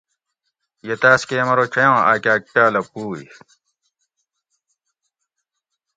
یہ تاۤس کۤہ یمرو چیاں آک آۤک پیالہ پوئ